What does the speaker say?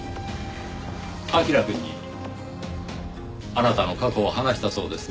彬くんにあなたの過去を話したそうですねぇ。